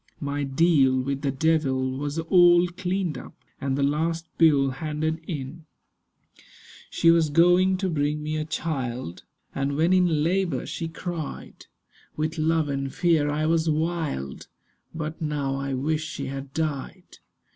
My deal with the devil was all cleaned up, And the last bill handed in. She was going to bring me a child, And when in labour she cried With love and fear I was wild— But now I wish she had died.